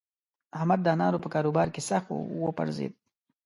احمد د انارو په کاروبار کې سخت وپرځېد.